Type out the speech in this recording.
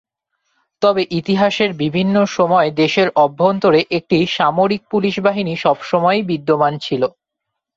তবে ইতিহাসের বিভিন্ন সময়ে দেশের অভ্যন্তরে একটি সামরিক পুলিশ বাহিনী সবসময়ই বিদ্যমান ছিল।